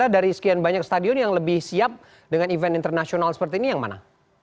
dari sekian banyak stadion yang lebih siap dengan event internasional seperti ini yang mana